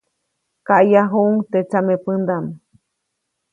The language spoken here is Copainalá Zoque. Kaʼyajuʼuŋ teʼ tsamepändaʼm.